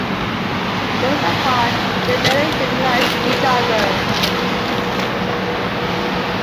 Worlds apart, they barely recognise each other.